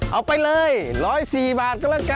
เอาไปเลย๑๐๔บาทก็แล้วกัน